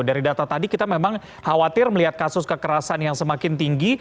dari data tadi kita memang khawatir melihat kasus kekerasan yang semakin tinggi